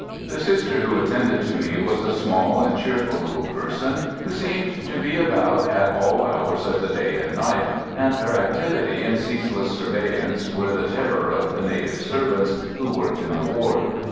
The Sister who attended to me was a small and cheerful little person, who seemed to be about at all hours of the day and night, and her activity and ceaseless surveillance were the terror of the native servants who worked in the ward.